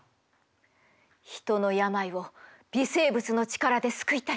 人の病を微生物の力で救いたい。